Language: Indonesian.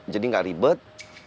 jadi enggak ribet